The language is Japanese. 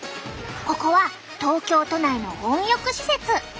ここは東京都内の温浴施設。